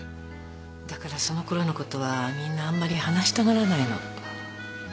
だからそのころのことはみんなあんまり話したがらないの。